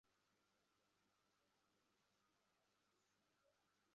পরে ডাকাতেরা পালানোর সময় এলাপাতাড়ি কোপাতে থাকলে আরও পাঁচজন আহত হন।